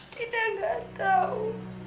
dina gak tau